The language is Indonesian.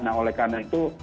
nah oleh karena itu